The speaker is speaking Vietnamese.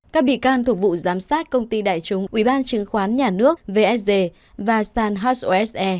các bị can thuộc vụ giám sát công ty đại chúng ubnd chứng khoán nhà nước vsd và sàn hosse